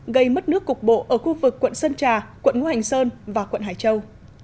gây mất nước cục bộ ở khu vực quận sơn trà quận ngo hành sơn và quận hải châu